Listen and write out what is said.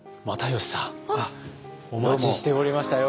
お待ちしておりましたよ。